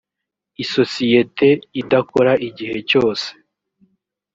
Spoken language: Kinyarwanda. isosiyete idakora igihe cyose